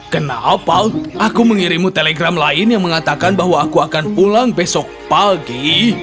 kenapa aku mengirimu telegram lain yang mengatakan bahwa aku akan pulang besok pagi